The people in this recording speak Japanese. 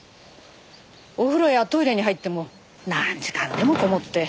お風呂やトイレに入っても何時間でもこもって。